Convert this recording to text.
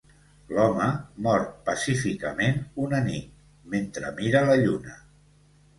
L'home mor pacíficament una nit, mentre mira la lluna.